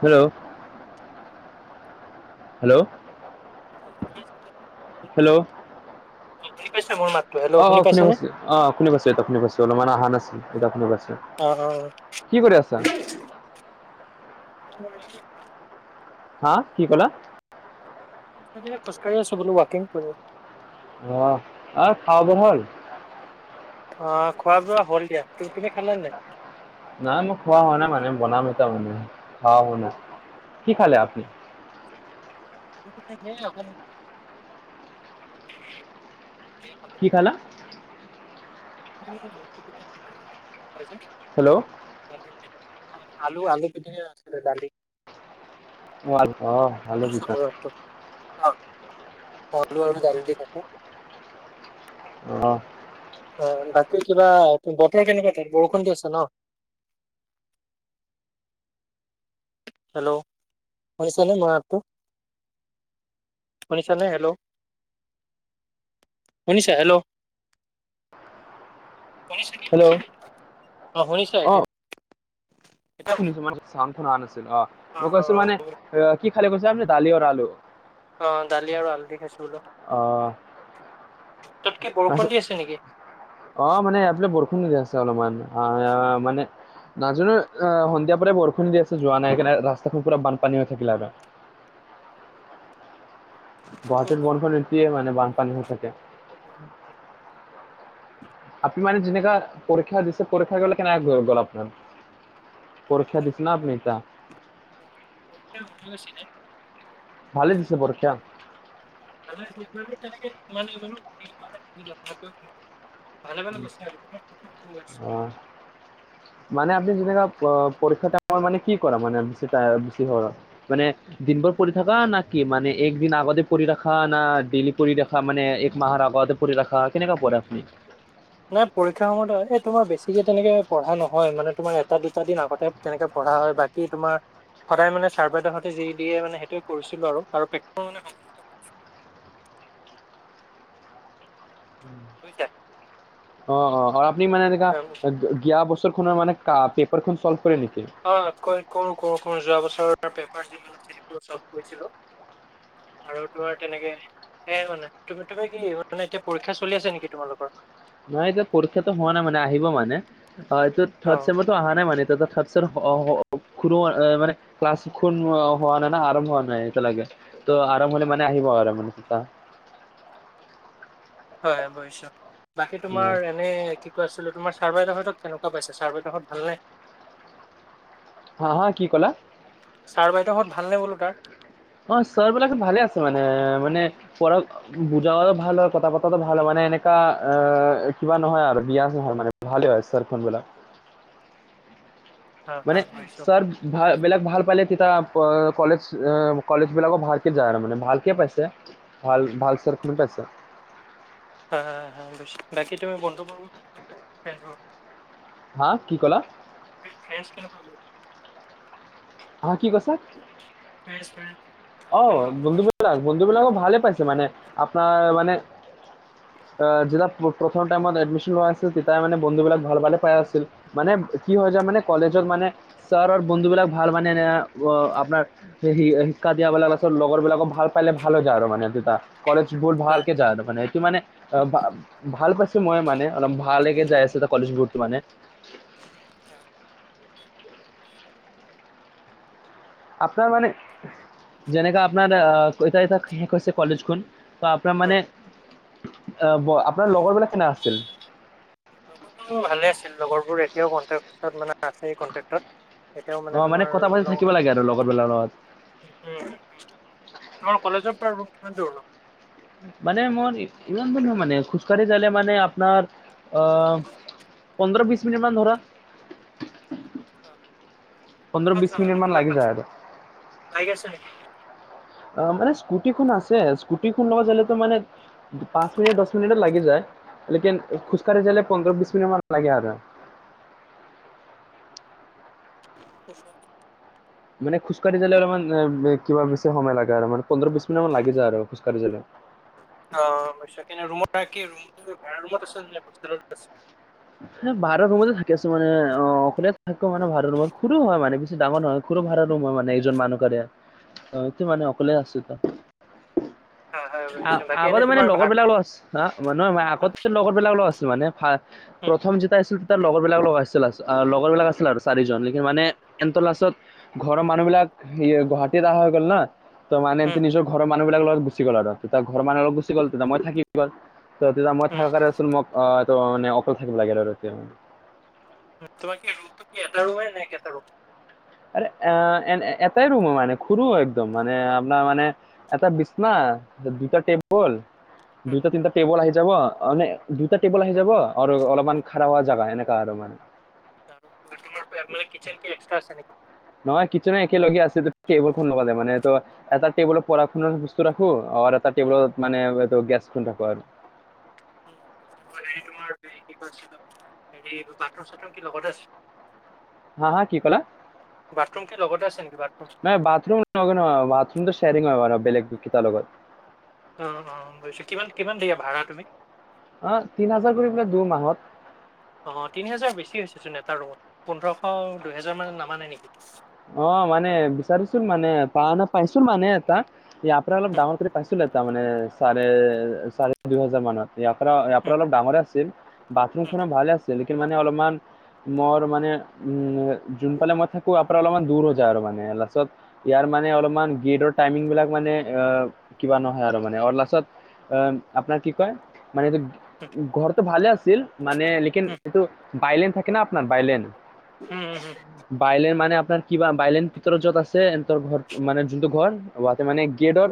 Hello hello. [unintelligible] Hello. অ শুনি পাইছা মোৰ মাত। অ অ শুনি পাইছে অ শুনি পাইছে এতিয়া শুনি পাইছে অলপ মানে অহা নাছিল এতিয়া শুনি পাইছোঁ অ অ কি কৰি আছা? মই এনেই [unintelligible] হা কি ক'লা? মই এতিয়া খোজ কাঢ়ি আছোঁ বোলো ৱাকিং কৰি অ আহ খাব বোৱা হল? অ খোৱা বোৱা হ'ল দিয়া তুমি খালা নাই? নাই মই খোৱা হোৱা নাই মানে বনাম তাৰমানে অ শুনা কি খালে আপুনি? [unintelligible] [unintelligible] কি খালা? [unintelligible] হেল্লো আলু আলু পিটিকা আছিলে দালি। মোৱাল অ [unintelligible] [unintelligible] আলু আৰু দালি দি খালো অ অ বাকী কিবা বতৰ কেনেকুৱা তাত বৰষুণ দি আছে ন। হেল্লো শুনিছনে মাতটো? শুনিছা নে হেল্লো। শুনিছা হেল্ল? শুনিছা কি হেল্ল' অ অঁ শুনিছা এতিয়া। এতিয়া শুনিছো মান চাওন খুনা নাছিল অঁ মই কৈছো অ', মানে কি খালে কৈছা দালি অৰ আলু। অ দালি আৰু আল দি খাইছো বোলো অ তাত কি বৰষুণ তাৰপিছত দি আছে নেকি? অ মানে এফালে বৰষুণ দি আছে অলমান আহ মানে। নাজানো এ সন্ধিয়া পৰাই বৰষুণ দি আছে যোৱা নাই কাণে ৰাস্তাটো পুৰা বানপানী হৈ থাকিলে হেতেন। গুৱাহাটীৰ বনখন এতিয়ে মানে বানপানী হৈ থাকে। [inaudible] আপনি মানে তেনেকা পৰীক্ষা দিছে পৰীক্ষা গ'লে কেনেকা গল আপোনাৰ। পৰীক্ষা দিছে না আপুনি এতিয়া। মোৰ পৰীক্ষা ভালে হৈছিলে। ভালে দিছে পৰীক্ষা। তেনেকে মানে মানে। [unintelligible] ভালে ভালে গৈছে আৰু। অ মানে আপুনি যোন দিনা পৰীক্ষাৰ পাছ মানে কি কৰা মানে বেছিতা বেছি হ। মানে দিন বৰ পৰি থাকা না কি মানে একদিন আগতে কৰি ৰাখা না ডেইলি কৰি ৰাখা মানে এক মাহৰ আগত। কৰি ৰাখা কেনেকা পৰে আপুনি। নাই পৰীক্ষাৰ সময়ত এই তোমাৰ বেছি কে তেনেকে পঢ়া নহয় মানে তোমাৰ এটা দুটা দিন আগতে তেনেকে পঢ়া হয় বাত কি তোমাৰ সদায় মানে ছাৰ বাইদেউহতে যি দিয়ে মানে সেইটোৱে কৰিছিলো আৰু আৰু পেক মানে সম টুইটা। অঁ অঁ আপুনি মানে এনেকা আম, গিয়া বছৰ খনৰ মানে পেপাৰখন চল্ভ কৰে নেকি? অ কই কৰু কৰু কৰু যোৱা বছৰ পেপাৰ যিমান আছে সেইবোৰ চলফ কৰিছিলো? আৰু তোমাৰ তেনেকে। এ মানে তুমি তুমি কি মানে এতিয়া পৰীক্ষা চলি আছে নেকি তোমালোকৰ? নহয় এতিয়া পৰীক্ষাটো হোৱা নাই মানে আহিব মানে এইটো অ থাৰ্ড ছেমড, টো অহা নাই মানে ত থাৰ্ড ছেম, ক্লাছ খু হোৱা নাই না আৰম্ভ হোৱা নাই এতিয়া লৈকে ত' আৰম্ভ হলে মানে আহিব আৰু মানে। হয় বশ বাকী তোমাৰ উম, এনে কি। কৈ আছিলো তোমাৰ চাৰ বাইদেউ হতক কেনেকুৱা পাইছে চাৰ বাইদেউ হত ভাল নে? হাঁ হাঁ কি ক'লা? ছাৰ বাইদেউহঁত ভাল নে বোলো তাৰ। অঁ ছাৰ বিলাক ভালে আছে মানে মানে পঢ়প বুজা‌ হ'লে ভাল হয় কথা পতাটো ভাল হয় মানে এনেকা অঁ কিবা নহয় আৰু বিয়া নহ মানে ভালে হয় ছাৰ ফোনবেলা। হা হা মানে বুজিছো চাৰ বেলেগ ভাল পালে তেতিয়া কলেজ কলেজবিলাকো ভালকে যায় আৰু মানে ভালকে পাইছে। ভাল ভাল চাৰ খোনে পাইছা। আহ হা বেছি বাকী তুমি বন্ধুবৰ্গ কেদ। হা কি ক'লা। ফ্ৰেছ কেনকা অ কি কৈছে। বেচ ফ্ৰেণ্ড। অ বন্ধু বিলাক বন্ধু বিলাক ভালে পাইছে মানে আপোনাৰ মানে। যেতিয়া প্ৰথম টাইমত এডমিশ্যন লোৱা আছিল তেতিয়াই মানে বন্ধু বিলাক ভাল ভালে পাই আছিল? মানে কি হয় যে মানে কলেজত মানে। ছাৰৰ বন্ধুবিলাক ভাল মানে আপোনাৰ হে। কাজিয়া লগাৰ পাছত লগৰ বিলাকো ভাল পালে ভালো যায় আৰু মানেদুটা কলেজ বোৰ হয় ভালকে যায় আৰু মানে। কি মানে অ ভ ভাল পাইছো মই মানে অলপ ভালেকে যাই আছো ত কলেজবোৰত মানে। অ'। আপোনাৰ মানে, যেনেকা আপোনাৰ এ ইটা এটা কৰিছে কলেজখন। আপোনাৰ হয় মানে, আপোনাৰ লগৰ বিলাক কেনে আছিল? লগৰবোৰো ভালে আছিল, লগৰবোৰ এতিয়াও কটেক্টত মানে আছে কটেক্টত। অ মানে কথা পাতি থাকিব লাগে আৰু লগৰবেলাৰ লগত। আমাৰ কলেজৰ পৰা ৰুম কিমান দূৰ নো। মানে মোৰ ইমান বধয় মানে খোজকাঢ়ি যালে মানে আপোনাৰ আহ। পোন্ধৰ বিশ মিনিট মান ধৰা। পোন্ধৰ কিমান বিশ মিনিট যাবনো, মান কিমান লাগি পাইছ যায় আৰু [unintelligible] অ', মানে স্কুটিখন আছে, স্কুটিখন লগত যালেতো মানে পাঁছ মিনিট, দছ মিনিট লাগি যায়, লেকন খোজ কাঢ়ি যালে পোন্ধৰ-বিশছ মিনিট মান লাগে আৰু। [unintelligible] মানে খোজ কাঢ়ি যালে অলপমান এ কিবা বেছি সময় লাগে আৰু মানে পোন্ধৰ-বিশছ মিনিট মান লাগি যায় আৰু খোজকাঢ়ি যালে। অ', [unintelligible] ৰুমত আ কি, ভাৰা ৰুমত নে হোষ্টেলত আছে? সে ভাৰা ৰুমতে থাকি আছো মানে, অ' অকলে থাকো মানে ভাৰা ৰুমত, সৰু হয় মানে বেছি ডাঙৰ নহয়। সৰু ভাৰা ৰুম হয় মানে এইজন মানুহ কৰণে, এ মানে অকলে এতিয়া। হয় হয় বুজিছো বাকী এনে আ-আগতে মানে তোমাৰ লগৰ ভাৰ বিলাকৰ লগত আ, নহয় মই হুম, আগতে লগৰ বিলাকৰ লগত আছিল মানে ফা হুম, প্ৰথম যিতিয়া আছিলো তেতিয়া লগৰ বিলাকৰ লগত আছিল, আ লগৰ বিলাক আছিলে আৰু চাৰিজন মানে সেনতৰ লাষ্টত ঘৰৰ মানুহ বিলাক এয়া গুৱাহাটীত আহা হৈ গ'ল না। ত' মানেই হুম, নিজৰ ঘৰৰ মানুহবিলাকৰ লগত গুচি গ'ল আৰ, তিতা ঘৰৰ মানুহ লগত গুচি গ'ল, তিতা মই থাকি গল। ত' তিতিয়া মই হুম, থাকা কাৰণে চোন মোক আহ মানে অকল থাকিব লাগিল আৰু এতিয়া। তোমাৰ কি ৰুমটো কি এটা ৰুমে নে কেটা ৰুম? আৰে এ এ-এটাই ৰুম মানে খুৰো হয় একদম, মানে আপনাৰ মানে এটা বিচনা, দুইটা টেবুল, দুটা-তিনটা টেবুল আহি যাব অনে দুটা টেবুল আহি যাব আৰু অলপমান খাৰা হোৱা জাগা, এনেকা আৰু মানে। আৰু [unintelligible] কিচেন কি এক্সত্ৰা আছে নেকি? নহয় কিচেনও একে লগে আছে, টেবুল খন লগতে মানে ত' এটা টেবুলৰ পঢ়া-শুনা ৰাখো অৰ এটা হুম, টেবুলত মানে এইটো গেছ খুন ৰাখো আৰু। উম, হেৰি তোমাৰ কি কৈছিলো হেৰি বাথৰুম-চাথৰুম কি লগতে আছে? হা হা কি ক'লা বাথৰুম কি লগতে আছে নেকি বাথৰুম? বাথৰুম নহয়, বাথৰুমটো শেয়িং হয় বলেগ কিতা লগত। অ', অ', বুজছোঁ। কিমান কিমান দিয়া ভাড়া তুমি? অ', তিন হাজাৰ কৰি পেললে দু মাহত। অ', তিনি হাজাৰ বেছি হৈছেচোন এটা ৰুমত, পোন্ধৰশ-দুহেজাৰমান নামানে নিকি? অ', মানে বিচাৰিচোন মানে প না পাইছো মানে এটা, ইয়াৰ পৰা অলপ ডাঙৰ কৰি পাইছো। ছিলে তাৰ মানে চাৰে-চাৰে দুই হাজাৰ মানত, ইয়াৰ পাৰা ইয়াৰ পাৰা হুম, অলপ ডাঙৰে আছিল। বাথৰু হুম, খনো ভালে আছিল, লেকিন মানে অলপমান মোৰ মানে যোন ফালে মই থাকোঁ ইয়াৰ পাৰা অলপমান দূৰ হৈ যায় আৰু মানে লাচত ইয়াৰ মানে অলপমান গেটৰ টাইমিং বিলাক মানে অ, কিবা নহয় আৰু মানে আৰু লাষ্ট আহ আপোনাৰ কি কয়, মানে এটো ঘৰটো ভালে আছিল মানে লকিন হুম, এইটো বাইলেন থাকে ন আপোনাৰ, বাইলেন। উম, হুম, হুম। বাইলেন মানে আপোনাৰ কিবা বাইলেন ভিতৰত য'ত আছে ত ঘৰ, মানে যোনটো ঘৰ বা মানে গেটৰ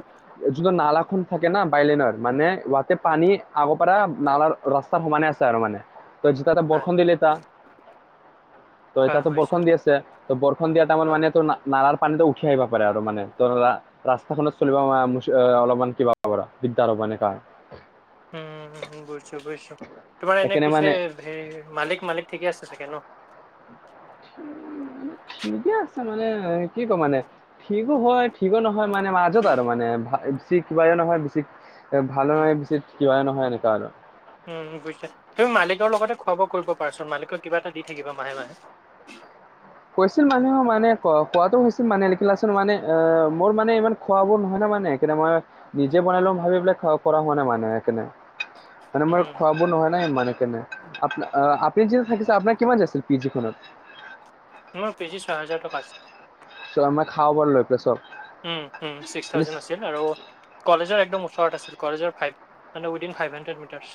যোনটো নাল খন থাকে না বাইলেনৰ, মানে ৱাতে পানী আগৰ পাৰা নালাৰ ৰাস্তাৰ সমানে আছে আৰু মানে। ত' যে তাতে হয় বৰ্ষণ দিলটা, ত' হয় এতাতো বুজিছো বৰ্ষণ দি আছে। ত' বৰ খন দিয়া টাইমত হয় মানে তোৰ না-নালাৰ পানীতটো উঠি আহিবা পাৰে আৰু মানে তা ৰাস্তাখনত চলিবা [unintelligible] অলপমান কিবা দিগদাৰ হব এনেকা। উম, বুজিছোঁ বুজিছোঁ। তোমাৰ এনে সেইকাৰণে পিছে মানে হেৰি মালিক মালিক ঠিকে আছে চাগে ন? ঠিকে আছে মানে, কি কম মানে। ঠিকো হয়, ঠিকো নহয়, মানে মাজত আৰু মানে বিছি কিবাও, নহয় বিছি ভালো নে পিছে কিয়াই নহয় এনেকা আৰু। উম, বুজিছা তুমি মালিকৰ লগতে খোৱাব কৰিব পাৰাচোন মালিকক কিবা এটা দি থাকিবা মাহে-মাহে। কৈছিল মানুহে মানে ক-কোৱাটো হৈছিল মানে লিখিলাচোন মানে আ, মোৰ মানে ইমান খোৱা-বোৱা নহয় নাই মানে, সেই কাৰণে মই নিজে বনাই লম ভাবি পেলাই কৰা হোৱা নাই মানে সেই কাৰণে। মানে মোৰ উম, খোৱা। নহয় নাই ম আ আপনি যদি থাকিছে আপোনাৰ কিমান আছিল পি জি খনত। মোৰ পি জি ত ছয় হেজাৰ টকা আছে। চ' আমাৰ খাব ব লৈ পে চব। উম, উম, ছিক্স মানে থাউজেণ্ড আছে। আৰু কলেজৰ একদম ওচৰত আছিল, কলেজৰ ফাইভ মানে উইদিন ফাইভ হাড্ৰেড মিটাৰছ।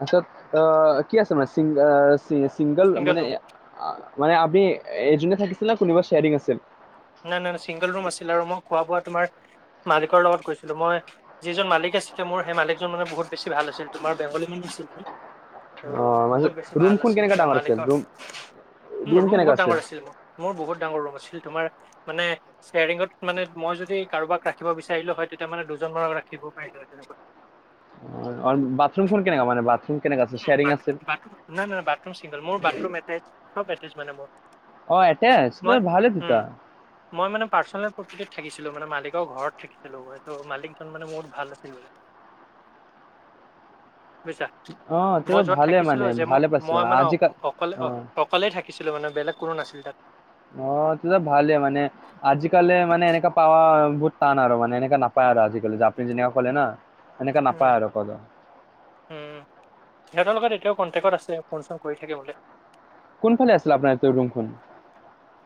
তাৰছত কি আছে মেচিংগল চিংগল ছিংগল মানে। ৰুম, মানে আমি এই জোনে থাকিছিল ন কোনোবা চেয়াৰিং আছিল। নাই-নাই-নাই ছিংগল ৰুম আছিল আৰু মই খোৱা বোৱা তোমাৰ মালিকৰ লগত কৈছিলো মই। যিজন মালিক আছিলে মোৰ সেই মালিকজন মানে বহুত বেছি ভাল আছিল তোমাৰ বেংগলী মানুহ আছিল। ত' অ মানে বহুত বেছি ৰুম ভাল কোন আছিল কেনেকা তেওঁ ডাঙৰ আছিল ৰুম মালিকৰ ৰুম বহুত ডাঙৰ আছিল মোৰ। মোৰ বহুত ডাঙৰ ৰুম আছিল তোমাৰ মানে। শ্বেয়াৰিঙত মানে মই যদি কাৰোবাক ৰাখিব বিচাৰিলো হয়, তেতিয়া মানে দুজন মান ৰাখিব পাৰিলো হয় তেনেকুৱা। বাথৰুম খন কেনেকা মানে বাথৰুম। কেনেকা আছিল ন না শ্বেয়াৰিং আছিল বাথ-বাথৰুম চিংগল মোৰ এতেছ-এতেচ মানে মোৰ। অ, এটাচ মই তই ভালেই উম, দুতা। মই মানে পাৰ্চনেল প্ৰপাৰ্টিত থাকিছিলো মান মালিকৰ ঘৰত থাকিছিলো ত মালিকজন মানে বহুত ভাল আছিল। বুজিছা। অ মই তেতিয়া য'ত ভালে মানে থাকিছিলোঁ যে মই ভালে পাইছো মই মানে অঁ আজিকাল অকলে অ অঁ অকলেই থাকিছিলোঁ মানে বেলেগ কোনো নাছিল তাত। অ, এতিয়া ভালে মানে আজিকালি মানে এনেকা পাৱা বহুত টান আৰু মানে এনেকা নাপ পায় আৰু আজিকালি যে আপুনি যেনেকে কলে না সেনেককা উম, নাপায় আৰু কলে সিহঁতৰ লগত এতিয়াও কণ্টেক্টত আছে, ফোনচোন কৰি থাকে বোলে। কোনফালে আছিল আপোনাৰ ৰুমখন?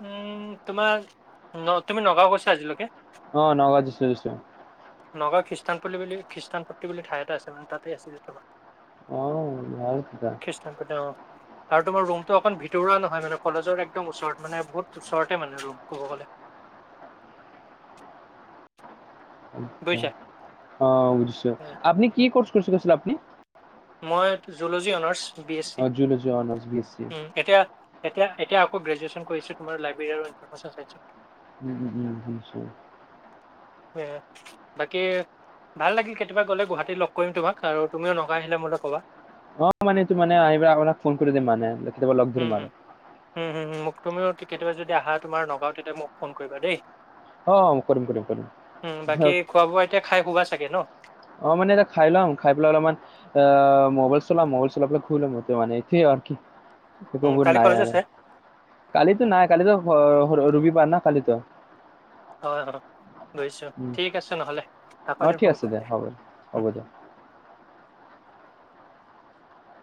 উম, তোমাৰ ন তুমি নগাঁও গৈছা আজিলৈকে? অ, নগাঁও গেইচিলো-গেইছিলোঁ। নগাঁও খ্ৰীষ্টানপ্ল বুলি খ্ৰীষ্টানপ্ট বুলি ঠাই এটা আছে মে তাতে আছিলে তোমাক। অ, ভাল কথা। কৃষ্ণ ক। [unintelligible] আৰু তোমাৰ ৰুমটো অকণ ভিতৰুৱা নহয় মানে কলেজৰ একদম ওচৰত মানে বহুত ওচৰতে মানে ৰুম ক'ব গ'লে। বুজিছা? অ, বুজিছ এ, আপনি কি কৰ্চ কৰিছে কৈছিল আপুনি? মই জুলজী অনাৰ্চ বি এছ আ চি জুলজি অনার্স বিএসসি। উম, এতিয়া। এতিয়া-এতিয়া আকৌ গ্ৰেজুৱেন কৰিছো লাইবেৰী আৰু ইনফৰ্মেশ্যন চাইচত। উম, উম, বুজিছোঁ। উ বাকী। ভাল লাগিল কেতিয়াবা গলে গুৱাহাটীত লগ কৰিম তোমাক, তুমিও নকাই আহিলে মোক ক'বা। অ, মানে এইটো মানে আহিব আপোনাক ফোন কৰি দিম মানে কেতিয়াবা লগ উম, ধৰিম আৰু। উম, উম, উম, মোক তুমি কেতিয়াবা যদি আহা তোমাৰ নগাওঁ তেতিয়া মোক ফোন কৰিবা দেই। অ কৰিম কৰিম কৰিম। উম, বাকী খোৱা বোৱা এতিয়া খাই সুৱাই চাগে ন? অঁ, মানে এতিয়া খাই ল'ম খাই পেলাই অলপমান আহ, মোবাইল চলাম মোবাইল চলাই পেলাই শুই লম মানে এতিয়া আৰু কি? উম, একোবোৰ কালি নাই কলেজ আৰু আছে? কালিতো নাই কালিতো ৰবিবাৰ ন কালিতো। হয়-হয় বুজিছোঁ উম, ঠিক আছে নহ'লে। আকৌ অ, এদিন ঠিক ফোন আছে কৰিম দে দিয়া। হ'ব দে উম। হ'ব দিয়ক।